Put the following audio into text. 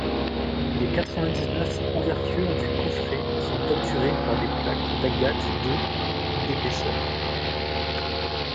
Les quatre-vingt-dix-neuf ouvertures du coffret sont obturées par des plaques d'agate de d'épaisseur.